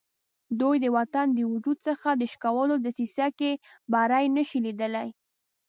دوی د وطن د وجود څخه د شکولو دسیسه کې بری نه شي لیدلای.